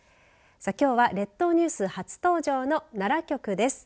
きょうは列島ニュース初登場の奈良局です。